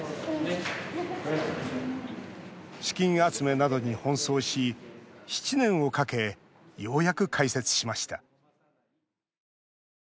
資金集めなどに奔走し７年をかけようやく開設しました。